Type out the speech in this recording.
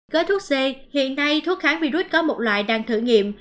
gói thuốc c hiện nay thuốc kháng virus có một loại đang thử nghiệm